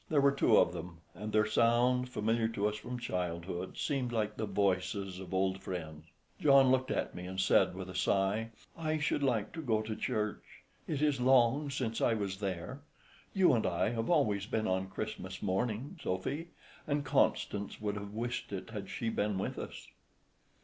There were two of them, and their sound, familiar to us from childhood, seemed like the voices of old friends. John looked at me and said with a sigh, "I should like to go to church. It is long since I was there. You and I have always been on Christmas mornings, Sophy, and Constance would have wished it had she been with us."